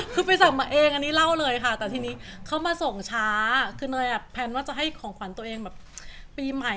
คือไปสั่งมาเองอันนี้เล่าเลยค่ะแต่ทีนี้เขามาส่งช้าคือเนยแพลนว่าจะให้ของขวัญตัวเองแบบปีใหม่